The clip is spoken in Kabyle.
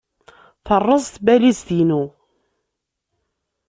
Terreẓ tbalizt-inu.